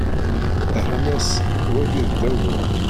Rran-as: Wagi n Dawed.